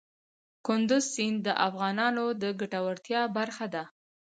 کندز سیند د افغانانو د ګټورتیا برخه ده.